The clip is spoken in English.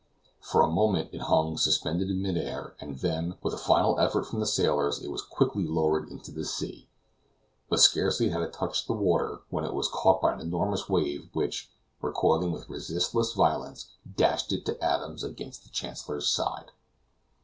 For a moment it hung suspended in mid air, and then, with a final effort from the sailors, it was quickly lowered into the sea. But scarcely had it touched the water, when it was caught by an enormous wave which, recoiling with resistless violence, dashed it to atoms against the Chancellor's side.